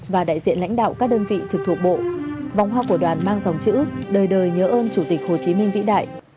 và đại diện lãnh đạo các đơn vị trực thuộc bộ vòng hoa của đoàn mang dòng chữ đời đời nhớ ơn chủ tịch hồ chí minh vĩ đại